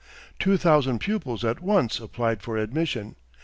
Two thousand pupils at once applied for admission.